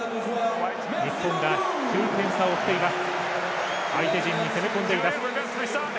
日本が９点差を追っています。